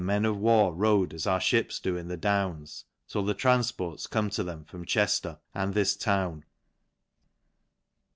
271 inen of war rode as our {hips do in the Dwms* till ihe tranfports come to them from Ch >efl x er, and this [own.